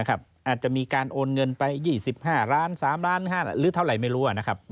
อาจจะมีการโอนเงินไป๒๕ล้าน๓ล้านหรือเท่าไหร่ไม่รู้